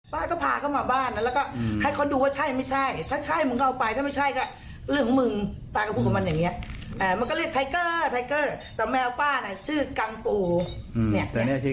ป้าก็พาเข้ามาบ้านแล้วก็อืมให้เขาดูว่าใช่หรือไม่ใช่